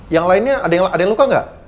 yang lainnya ada yang luka nggak